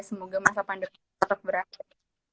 semoga masa pandemi tetap berakhir